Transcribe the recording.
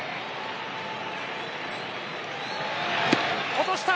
落とした！